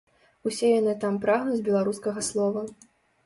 Усе яны там прагнуць беларускага слова.